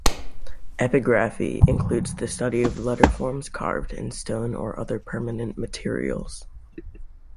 Epigraphy includes the study of letterforms carved in stone or other permanent materials.